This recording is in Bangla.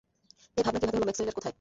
এ ভাবনা কীভাবে এলো ম্যাক্সওয়েলের মাথায়?